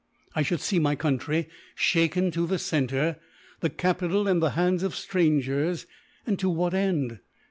I should see my country shaken to the centre, the capital in the hands of strangers, and to what end?